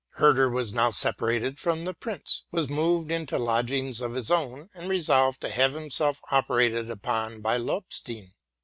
Herder was now separated from the prince, had moved into lodgings of his own, and resolved to have himself operated upon by Lobstein.